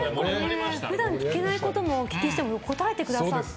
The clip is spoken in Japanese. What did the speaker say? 普段聞けないことをお聞きしても答えてくださって。